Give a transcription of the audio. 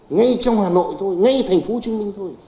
ngay trong hà nội thôi ngay thành phố trưng minh thôi